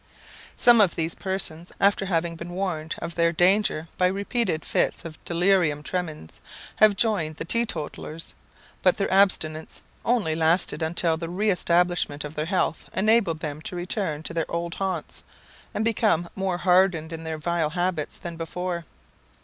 Some of these persons, after having been warned of their danger by repeated fits of delirium tremens, have joined the tee totallers; but their abstinence only lasted until the re establishment of their health enabled them to return to their old haunts, and become more hardened in their vile habits than before.